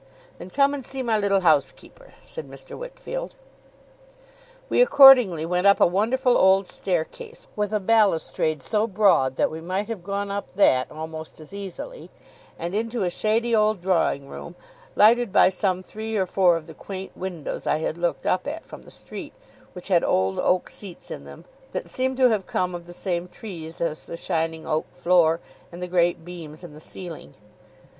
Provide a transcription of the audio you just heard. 'Then come and see my little housekeeper,' said Mr. Wickfield. We accordingly went up a wonderful old staircase; with a balustrade so broad that we might have gone up that, almost as easily; and into a shady old drawing room, lighted by some three or four of the quaint windows I had looked up at from the street: which had old oak seats in them, that seemed to have come of the same trees as the shining oak floor, and the great beams in the ceiling.